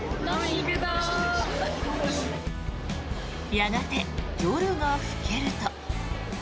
やがて、夜が更けると。